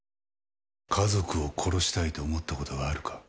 家族を殺したいと思ったことはあるか？